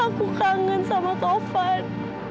aku kangen sama tovan